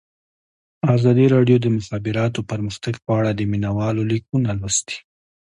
ازادي راډیو د د مخابراتو پرمختګ په اړه د مینه والو لیکونه لوستي.